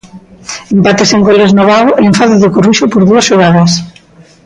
Empate sen goles no Vao e enfado do Coruxo por dúas xogadas.